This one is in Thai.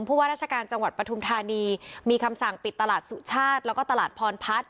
ว่าราชการจังหวัดปฐุมธานีมีคำสั่งปิดตลาดสุชาติแล้วก็ตลาดพรพัฒน์